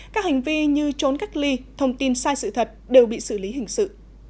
các hành vi như trốn cách ly thông tin sai sự thật đều bị xử lý hình sự